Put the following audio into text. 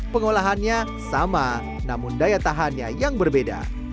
pengolahannya sama namun daya tahannya yang berbeda